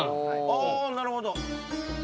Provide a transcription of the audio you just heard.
ああなるほど。